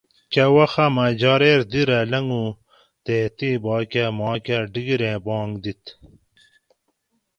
کہ وخہ مہ جاریر دِر اۤ لنگُو تے تِباکہ ماکہ ڈِگیر ایں بانگ دِت